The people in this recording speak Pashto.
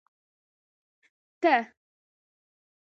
ته